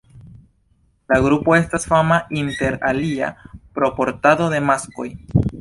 La grupo estas fama inter alia pro portado de maskoj.